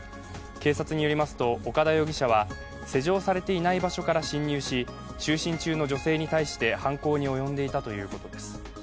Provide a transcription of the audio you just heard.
警察によりますと、岡田容疑者は施錠されていない場所から侵入し、就寝中の女性に対して犯行に及んでいたということです。